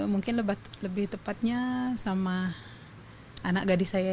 mungkin lebih tepatnya sama anak gadis saya